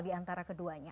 di antara keduanya